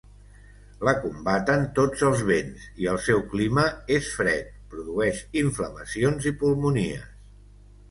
La combaten tots els vents, i el seu clima és fred; produeix inflamacions i pulmonies.